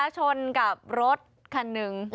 ชนกับรถคันหนึ่ง